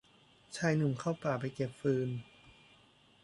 ชายหนุ่มเข้าป่าไปเก็บฟืน